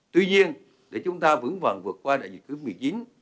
tuy nhiên để chúng ta vững vần vượt qua đại dịch thứ một mươi chín